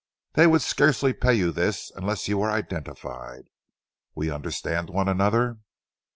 "They would scarcely pay you this unless you were identified. We understand one another?"